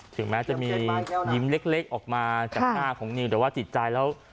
ถึงแม้จะมียิ้มเล็กออกมาจากหน้าของนิวแต่ว่าจิตใจแล้ว